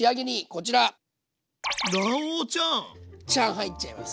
ちゃん入っちゃいます。